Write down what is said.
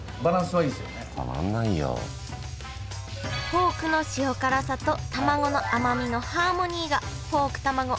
ポークの塩辛さとたまごの甘みのハーモニーがポークたまご